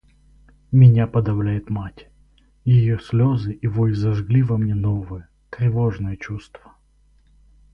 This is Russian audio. Меня подавляет мать; ее слезы и вой зажгли во мне новое, тревожное чувство.